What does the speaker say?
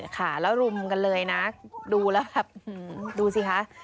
ค่ะแล้วรุมกันเลยนะดูแล้วแบบดูสิคะ